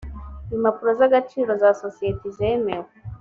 impapuro z agaciro za sosiyeti zemewe